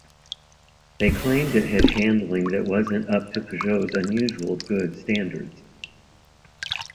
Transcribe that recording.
They claimed it had handling that wasn't up to Peugeot's usual "good" standards.